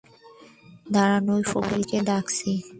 দাঁড়ান, ওই ফকিরকে ডাকছি।